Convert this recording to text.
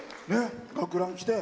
学ラン着て。